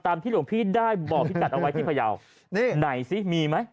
ที่หลวงพี่ได้บอกพี่กัดเอาไว้ที่พยาวนี่ไหนซิมีไหม